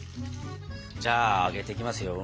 じゃああげていきますよ。